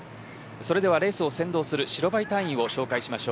それではレースを先導する白バイ隊員を紹介します。